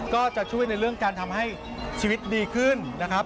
ก็จะช่วยในเรื่องการทำให้ชีวิตดีขึ้นนะครับ